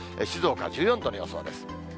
静岡１４度の予想です。